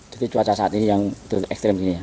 jadi cuaca saat ini yang ekstrim begini ya